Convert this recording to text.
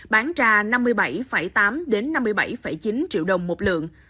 bán ra năm mươi bảy tám năm mươi bảy chín triệu đồng một lượng